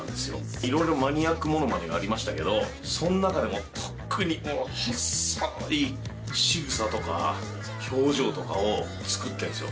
いろいろマニアックモノマネがありましたけど、その中でも特に、非常にしぐさとか表情とかを作ってるんですよ。